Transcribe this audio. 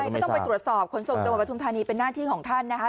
ก็ต้องไปตรวจสอบขนส่งจังหวัดปทุมธานีเป็นหน้าที่ของท่านนะคะ